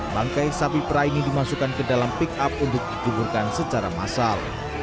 mangkai sapi perah ini dimasukkan ke dalam pick up untuk dikuburkan secara masal